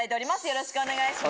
よろしくお願いします。